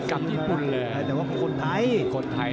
กับญี่ปุ่นแต่ว่าคนไทย